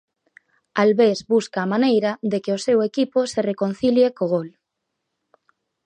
Albés busca a maneira de que o seu equipo se reconcilie co gol.